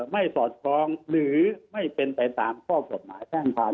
ไม่สอดคล้องหรือไม่เป็นไปตามข้อสดหมายแท่งทาง